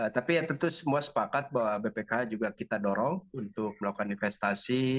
tapi ya tentu semua sepakat bahwa bpk juga kita dorong untuk melakukan investasi